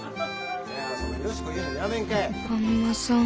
あん摩さん。